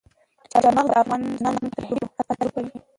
چار مغز د افغان ځوانانو د هیلو استازیتوب کوي.